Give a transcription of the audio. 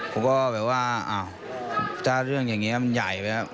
ผมก็แบบว่าอ้าวถ้าเรื่องอย่างนี้มันใหญ่ไปแล้ว